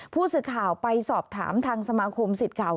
ผู้สื่อข่าวไปสอบถามทางสมาคมสิทธิ์เก่า